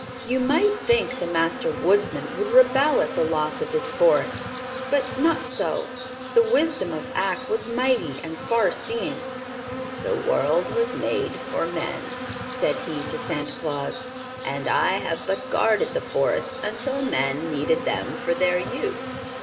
You might think the Master Woodsman would rebel at the loss of his forests; but not so. The wisdom of Ak was mighty and farseeing. "The world was made for men," said he to Santa Claus, "and I have but guarded the forests until men needed them for their use.